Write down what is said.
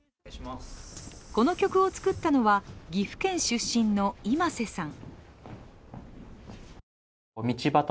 この曲を作ったのは、岐阜県出身のｉｍａｓｅさん。